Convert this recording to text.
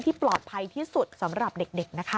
ปลอดภัยที่สุดสำหรับเด็กนะคะ